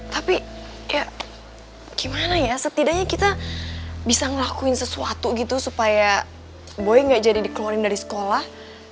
tapi ya gimana ya setidaknya kita bisa ngelakuin sesuatu gitu supaya boy gak jadi dikeluarin dari sekolah